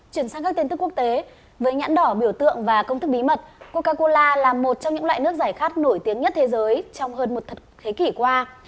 chuyển sang các tin tức quốc tế với nhãn đỏ biểu tượng và công thức bí mật coca cola là một trong những loại nước giải khát nổi tiếng nhất thế giới trong hơn một thập kỷ qua